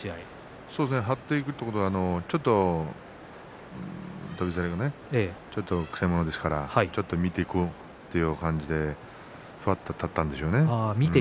張っていくということは翔猿がね、ちょっとくせ者ですから、ちょっと見ていこうという感じでふわっと立ったんでしょうね。